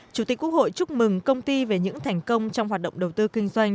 chủ tịch quốc hội chúc mừng công ty về những thành công trong hoạt động đầu tư kinh doanh